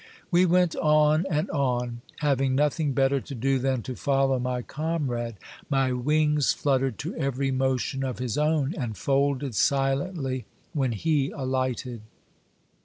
We went on and on. Having nothing better to do than to follow my comrade, my wings fluttered Emotions of a Young Red Partridge, 297 to every motion of his own, and folded silently when he alighted.